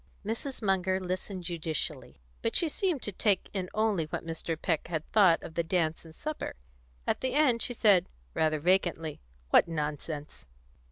Mrs. Munger listened judicially, but she seemed to take in only what Mr. Peck had thought of the dance and supper; at the end she said, rather vacantly, "What nonsense!"